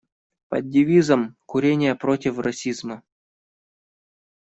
Под девизом: «Курение против расизма».